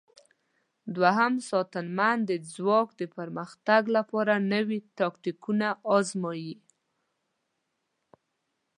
دوهم ساتنمن د ځواک د پرمختګ لپاره نوي تاکتیکونه آزمايي.